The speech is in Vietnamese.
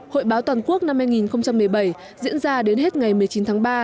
hội báo toàn quốc năm hai nghìn một mươi bảy diễn ra đến hết ngày một mươi chín tháng ba